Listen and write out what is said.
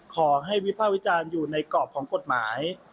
ขอให้วิภาควิจารณ์อยู่ในกรอบของกฎหมาย